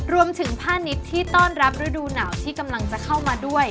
รวมถึงผ้านิตที่ต้อนรับฤดูหนาวที่กำลังจะเข้ามาด้วย